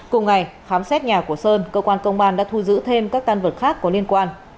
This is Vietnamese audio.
cùng ngày khám xét nhà của sơn cơ quan công an đã thu giữ thêm các tan vật khác có liên quan